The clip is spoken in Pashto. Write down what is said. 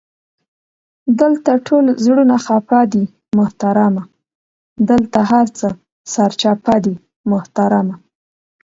دالته ټول زړونه خفه دې محترمه، دالته هر څه سرچپه دي محترمه!